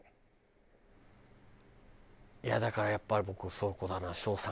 いやだからやっぱり僕はそこだな。